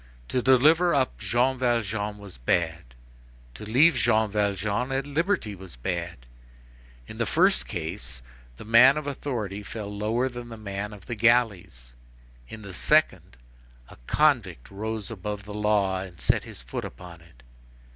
To deliver up Jean Valjean was bad; to leave Jean Valjean at liberty was bad. In the first case, the man of authority fell lower than the man of the galleys, in the second, a convict rose above the law, and set his foot upon it.